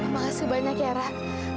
makasih banyak ya rah